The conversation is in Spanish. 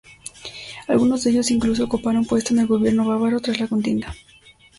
Algunos de ellos incluso ocuparon puesto en el gobierno bávaro tras la contienda.